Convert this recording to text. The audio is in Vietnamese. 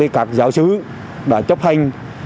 các giáo sứ đã chấp hành